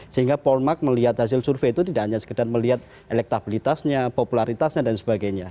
sehingga polmark melihat hasil survei itu tidak hanya sekedar melihat elektabilitasnya popularitasnya dan sebagainya